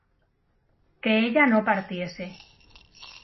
que ella no partiese